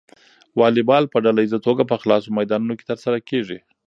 واليبال په ډله ییزه توګه په خلاصو میدانونو کې ترسره کیږي.